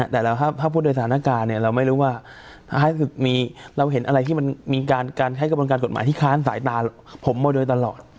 แต่ถ้าพูดโดยสถานการณ์เราไม่รู้ว่าเราเห็นอะไรที่มันมีการใช้กระบวนการกฎหมายที่ค้านสายตาผมมาโดยตลอด